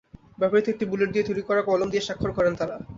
ব্যবহৃত একটি বুলেট দিয়ে তৈরি করা কলম দিয়ে স্বাক্ষর করেন তাঁরা।